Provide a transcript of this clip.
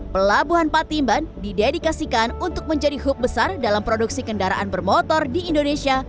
pelabuhan patimban didedikasikan untuk menjadi hub besar dalam produksi kendaraan bermotor di indonesia